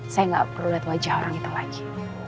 saya gak perlu liat wajah orang itu lagi